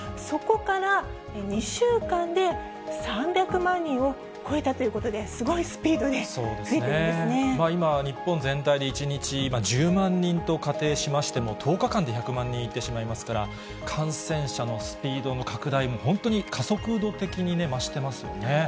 そこから２週間で、３００万人を超えたということで、すごいスピードで増えているんで今、日本全体で１日１０万人と仮定しましても、１０日間で１００万人いってしまいますから、感染者のスピードも拡大も、本当に加速度的に増してますよね。